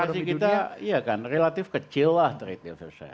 integrasi kita iya kan relatif kecil lah trade diversite